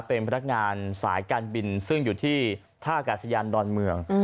เป็นพนักงานสายการบินซึ่งอยู่ที่ท่ากาศยานดอนเมือง